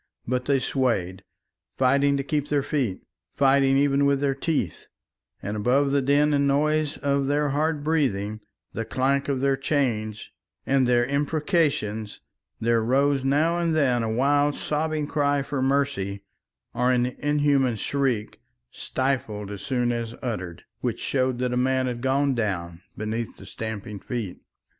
But they swayed, fighting to keep their feet, fighting even with their teeth, and above the din and noise of their hard breathing, the clank of their chains, and their imprecations, there rose now and then a wild sobbing cry for mercy, or an inhuman shriek, stifled as soon as uttered, which showed that a man had gone down beneath the stamping feet.